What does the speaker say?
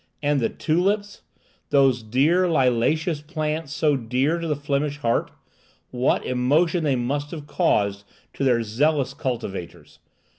And the tulips,—those dear liliaceous plants so dear to the Flemish heart, what emotion they must have caused to their zealous cultivators!